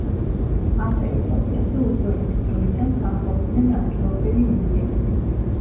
ამ ტერიტორიაზე უძველესი დროიდან სახლობდნენ ადგილობრივი ინდიელები.